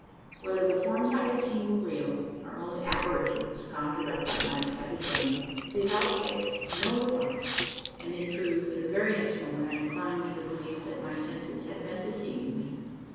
Whether the forms I had seen were real or only apparitions conjured up by my excited brain they vouchsafed no reply; and, in truth, in the very next moment, I inclined to the belief that my senses had been deceiving me!